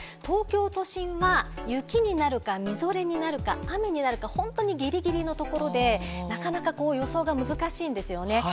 東京都心は、雪になるかみぞれになるか、雨になるか、本当にぎりぎりのところで、なかなか予想が難しいんですよね。